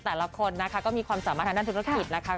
แต่ละคนนะคะก็มีความสามารถทางด้านธุรกิจนะคะ